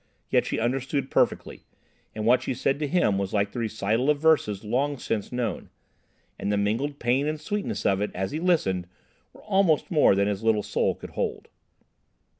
Yet she understood perfectly, and what she said to him was like the recital of verses long since known. And the mingled pain and sweetness of it as he listened were almost more than his little soul could hold.